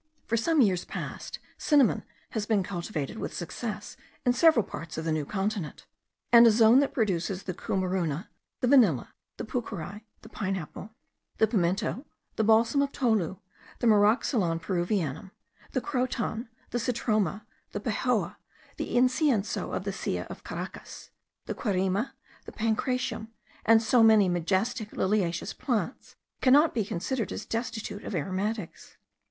For some years past cinnamon has been cultivated with success in several parts of the New Continent; and a zone that produces the coumarouna, the vanilla, the pucheri, the pine apple, the pimento, the balsam of tolu, the Myroxylon peruvianum, the croton, the citroma, the pejoa, the incienso of the Silla of Caracas, the quereme, the pancratium, and so many majestic liliaceous plants, cannot be considered as destitute of aromatics.